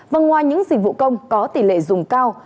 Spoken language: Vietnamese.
và ngoài những dịch vụ công có tỷ lệ dùng cao